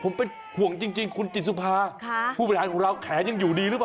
ผมเป็นห่วงจริงคุณจิทธิสุพาค่ะผู้บริษัทของเรายังอยู่ดีรึปล่ะ